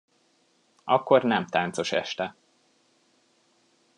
Akkor nem táncos este.